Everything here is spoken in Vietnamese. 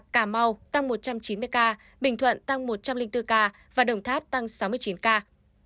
cà mau tăng một trăm chín mươi ca bình thuận tăng một trăm linh bốn ca và đồng tháp tăng sáu mươi chín ca